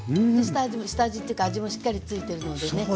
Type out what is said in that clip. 下味というか味もしっかりついてるのでね。